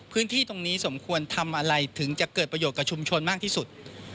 พื้นที่ตรงนี้สมควรทำอะไรถึงจะเกิดประโยชน์กับชุมชนมากที่สุด